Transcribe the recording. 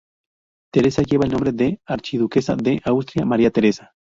Teresa lleva el nombre de archiduquesa de Austria María Teresa.